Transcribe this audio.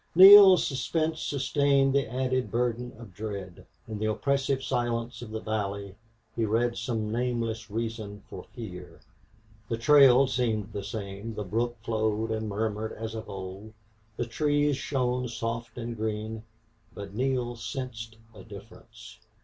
Neale's suspense sustained the added burden of dread. In the oppressive silence of the valley he read some nameless reason for fear. The trail seemed the same, the brook flowed and murmured as of old, the trees shone soft and green, but Neale sensed a difference.